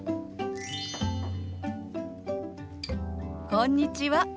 こんにちは。